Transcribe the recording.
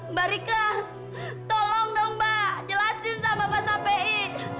mbak rika tolong dong mbak jelasin sama pak sapein